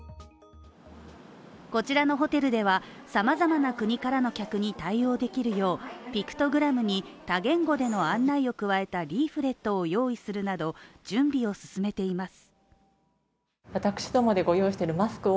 こちらのホテルでは様々な国からの客に対応できるよう、ピクトグラムに多言語での案内を加えたリーフレットを用意するなど準備を進めています。